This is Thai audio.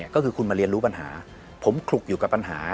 ก็คือคุณมาเรียนรู้ปัญหาผมขลุกอยู่กับปัญหา